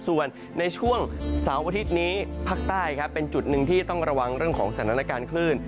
ส่วนในช่วงเสาร์อาทิตย์นี้ภาคใต้ครับเป็นจุดหนึ่งที่ต้องระวังเรื่องของสถานการณ์คลื่น